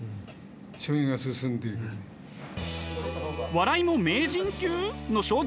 笑いも名人級！？